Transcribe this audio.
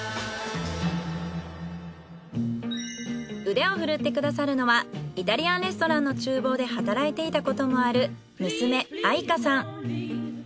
腕を振るってくださるのはイタリアンレストランの厨房で働いていたこともある娘愛華さん。